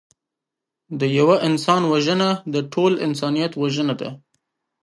د یوه انسان وژنه د ټول انسانیت وژنه ده